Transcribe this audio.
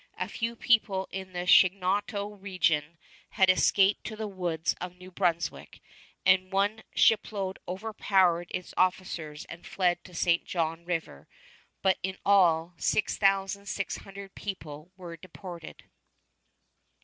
A few people in the Chignecto region had escaped to the woods of New Brunswick, and one shipload overpowered its officers and fled to St. John River; but in all, six thousand six hundred people were deported.